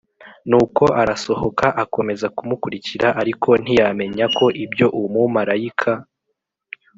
Nuko arasohoka akomeza kumukurikira ariko ntiyamenya ko ibyo umumarayika